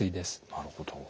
なるほど。